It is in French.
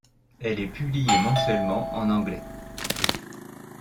Elle est publiée mensuellement en anglais.